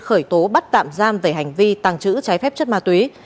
khởi tố bắt tạm giam về hành vi tàng trữ trái phép chất ma túy